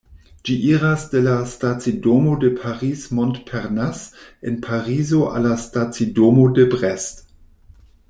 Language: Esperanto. Ĝi iras de la stacidomo de Paris-Montparnasse en Parizo al la stacidomo de Brest.